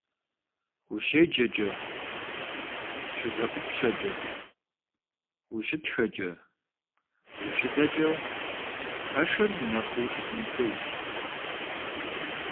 УщеджэкӀэ, щызэӀупщэкӀэ, ущытхэкӀэ, ущыдэкӀэ пэшыр нэхуу щытын хуейщ.